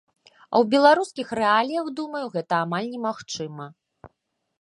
А ў беларускіх рэаліях, думаю, гэта амаль немагчыма.